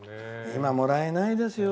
今、もらえないですよ